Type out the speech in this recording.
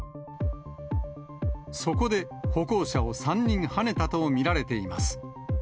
そこで歩行者を３人はねたと見られています。